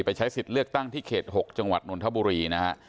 ใช้สิทธิ์เลือกตั้งที่เขต๖จังหวัดนนทบุรีนะฮะ